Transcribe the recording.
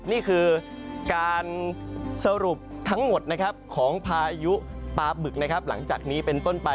นี่คือการสรุปทั้งหมดของพายุปลาบึกหลังจากนี้เป็นต้นไป